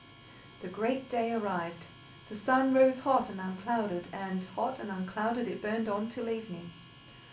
The great day arrived. The sun rose hot and unclouded, and hot and unclouded it burned on till evening.